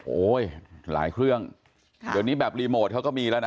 โอ้ยหลายเครื่องเดี๋ยวนี้แบบรีโมทเขาก็มีแล้วนะ